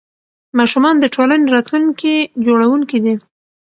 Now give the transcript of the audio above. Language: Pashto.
ماشومان د ټولنې راتلونکي جوړوونکي دي.